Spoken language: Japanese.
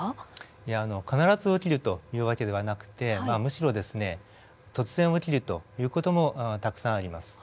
いや必ず起きるという訳ではなくてむしろ突然起きるという事もたくさんあります。